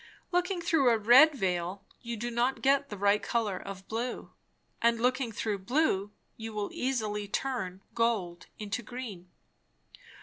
Looking through a red veil, you do not get the right colour of blue; and looking through blue, you will easily turn gold into green.